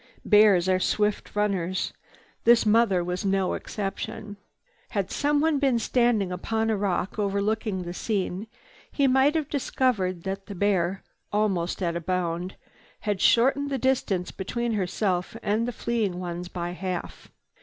Bears are swift runners. This mother was no exception. Had someone been standing upon a rock overlooking the scene, he might have discovered that the bear, almost at a bound, had shortened the distance between herself and the fleeing ones by half.